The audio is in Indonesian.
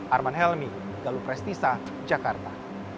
arman helmi galuh prestisa jakarta